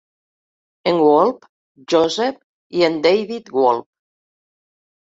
En Wolpe, Joseph i en David Wolpe.